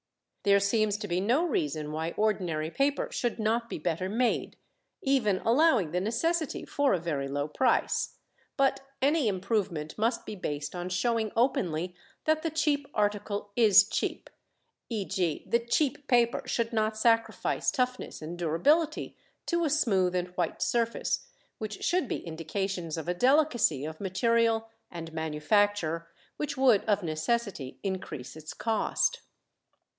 There seems to be no reason why ordinary paper should not be better made, even allowing the necessity for a very low price; but any improvement must be based on showing openly that the cheap article is cheap, e.g. the cheap paper should not sacrifice toughness and durability to a smooth and white surface, which should be indications of a delicacy of material and manufacture which would of necessity increase its cost.